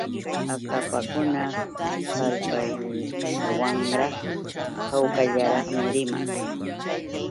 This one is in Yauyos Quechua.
Akapakuna kallpawanraq hawkallaraqmi riman.